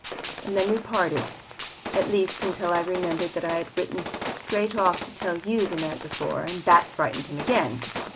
And then we parted at least, until I remembered that I had written straight off to tell you the night before, and that frightened him again.